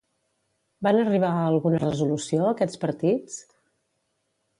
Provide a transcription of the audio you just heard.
Van arribar a alguna resolució, aquests partits?